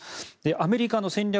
アメリカの戦略